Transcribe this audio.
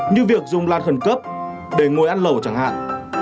như việc dùng lan khẩn cấp để ngồi ăn lẩu chẳng hạn